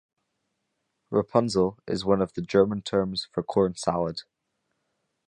'Rapunzel' is one of the German terms for corn salad.